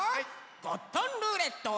ゴットンルーレット。